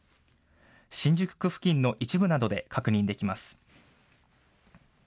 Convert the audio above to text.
新宿区付近の一部などで確認できます。